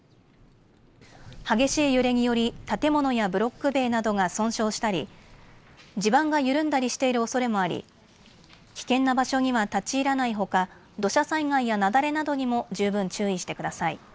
激しい揺れにより建物やブロック塀などが損傷したり、地盤が緩んだりしているおそれもあり危険な場所には立ち入らないほか土砂災害や雪崩などにも十分、注意してください。